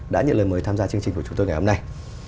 đã nhận lời mời tham gia chương trình của chúng tôi ngày hôm nay